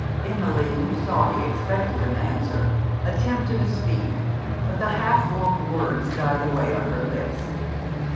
Emmeline, who saw he expected an answer, attempted to speak; but the half formed words died away on her lips.